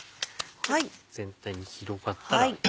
全体に広がったら。